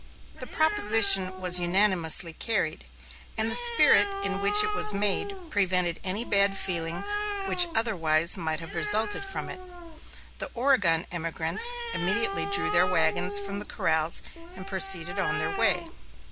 The proposition was unanimously carried; and the spirit in which it was made prevented any bad feeling which otherwise might have resulted from it. The Oregon emigrants immediately drew their wagons from the corrals and proceeded on their way.